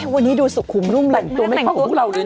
วันนี้ดูสุขขุมลุ้มรแห่งตัวตัวใหม่เข้าภูมิเราเลยเนอะ